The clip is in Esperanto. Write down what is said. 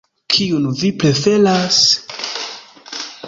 Kiun vi preferas?